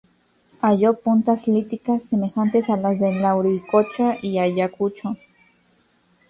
Halló puntas líticas, semejantes a las de Lauricocha y Ayacucho.